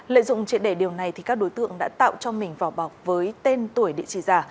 lợi dụng triệt để điều này thì các đối tượng đã tạo cho mình vỏ bọc với tên tuổi địa chỉ giả